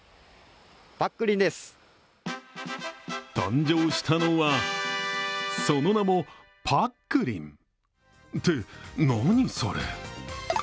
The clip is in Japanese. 誕生したのはその名もぱっくりんって何それ？